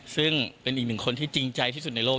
ซึ่งเป็นอีกหนึ่งคนที่จริงใจที่สุดในโลก